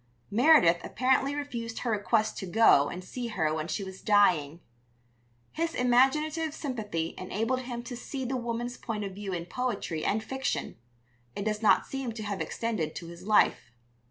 Meredith apparently refused her request to go and see her when she was dying. His imaginative sympathy enabled him to see the woman's point of view in poetry and fiction; it does not seem to have extended to his life.